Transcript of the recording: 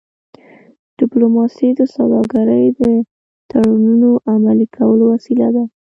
ډيپلوماسي د سوداګری د تړونونو عملي کولو وسیله ده.